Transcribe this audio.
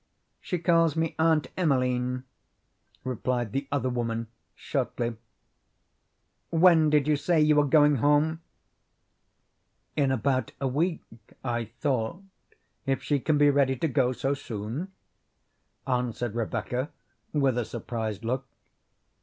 "No, she calls me Aunt Emeline," replied the other woman shortly. "When did you say you were going home?" "In about a week, I thought, if she can be ready to go so soon," answered Rebecca with a surprised look.